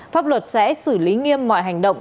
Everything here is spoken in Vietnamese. pháp luật sẽ xử lý nghiêm mọi hành động